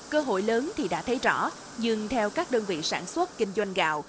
cơ hội lớn thì đã thấy rõ nhưng theo các đơn vị sản xuất kinh doanh gạo